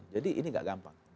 jadi ini tidak gampang